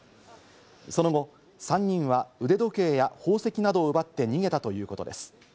その後、３人は腕時計や宝石などを奪って逃げたということです。